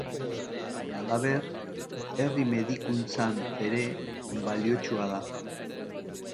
Halaber, herri-medikuntzan ere baliotsua da.